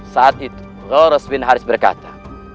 saat itu ghawras bin harith berkata